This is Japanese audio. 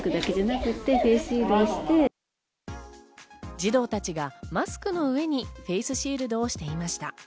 児童たちがマスクの上にフェースシールドをしていました。